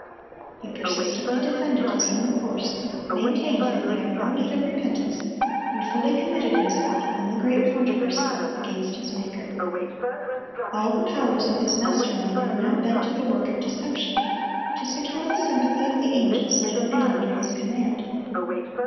He persistently defended his own course, maintained that he had no need of repentance, and fully committed himself, in the great controversy, against his Maker. All the powers of his master mind were now bent to the work of deception, to secure the sympathy of the angels that had been under his command.